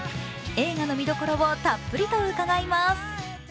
映画の見どころをたっぷりと伺います。